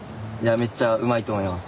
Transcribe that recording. めっちゃうまいと思います。